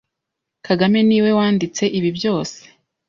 Kagame ni we wanditse ibi byose